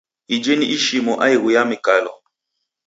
Iji ni ishomo aighu ya mikalo.